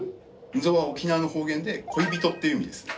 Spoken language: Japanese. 「んぞ」は沖縄の方言で「恋人」っていう意味ですね。